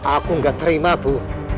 aku gak terima bu